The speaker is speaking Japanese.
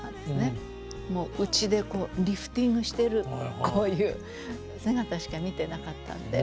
うちでこうリフティングしてるこういう姿しか見てなかったんで。